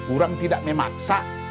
orang tidak memaksa